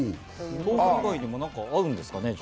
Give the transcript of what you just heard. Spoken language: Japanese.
豆腐以外にも合うんですかね？